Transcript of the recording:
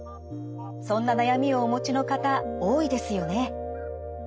そんな悩みをお持ちの方多いですよね。